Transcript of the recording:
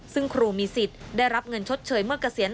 ซึ่งครูมีสิทธิ์ได้รับเงินชดเชยเมื่อเกษียณ